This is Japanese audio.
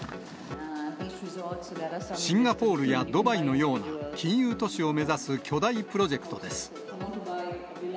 シンガポールやドバイのような金融都市を目指す巨大プロジェクトです。